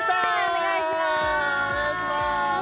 お願いします